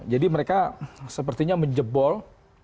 jadi mereka sepertinya menjebol